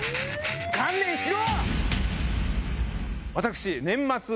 観念しろ！